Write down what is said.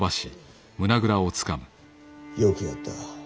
よくやった。